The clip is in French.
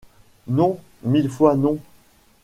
Non ! mille fois non !